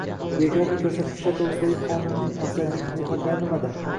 «Geografik ko‘rsatkichlar to‘g‘risida»gi qonunning afzallik jihatlari nimada?ng